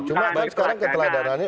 cuma sekarang keteladanannya